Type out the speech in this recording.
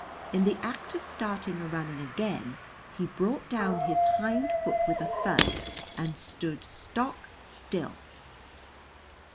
In the act of starting a running again he brought down his hind foot with a thud and stood stock still.